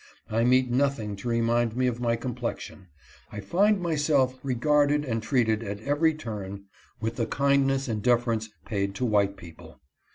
I meet nothing to remind me of my complexion. I find my salf regarded and treated at every turn with the kindness and defer ence paid to white people.